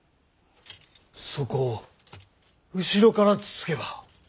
そこを後ろからつつけば。